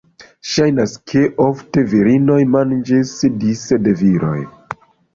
Ŝajnas, ke ofte virinoj manĝis dise de viroj.